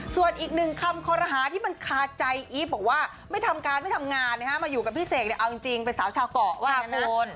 ส่วนอีกหนึ่งคำคอรหาที่มันคาใจอีฟบอกว่าไม่ทำการไม่ทำงานนะฮะมาอยู่กับพี่เสกเนี่ยเอาจริงเป็นสาวชาวเกาะว่างั้นนะ